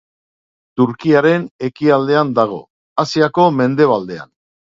Turkiaren ekialdean dago, Asiako mendebaldean.